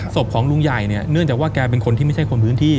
ศพของลุงใหญ่เนี่ยเนื่องจากว่าแกเป็นคนที่ไม่ใช่คนพื้นที่